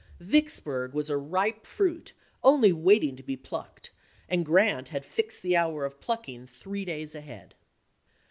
Vicksburg was a ripe fruit only waiting to be plucked, and Grant had fixed the hour of plucking three days ahead.